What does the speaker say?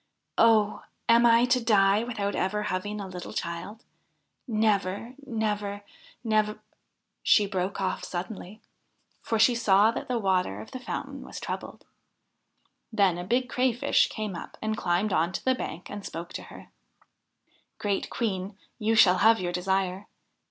Oh 1 am I to die without ever having a little child ? Never I Never I Nev ' She broke off suddenly, for she saw that the water of the fountain was troubled. Then a big Crayfish came up and climbed on to the bank and spoke to her :' Great Queen, you shall have your desire.